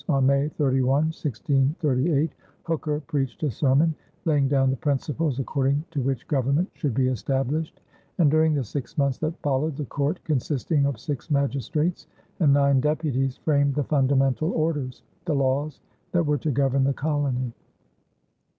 On May 31, 1638, Hooker preached a sermon laying down the principles according to which government should be established; and during the six months that followed, the court, consisting of six magistrates and nine deputies, framed the Fundamental Orders, the laws that were to govern the colony.